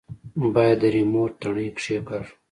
بايد د ريموټ تڼۍ کښېکاږو.